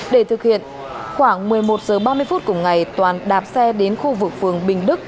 để thực hiện khoảng một mươi một h ba mươi phút cùng ngày toàn đạp xe đến khu vực phường bình đức